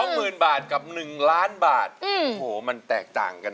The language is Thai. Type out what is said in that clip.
หมื่นบาทกับ๑ล้านบาทโอ้โหมันแตกต่างกัน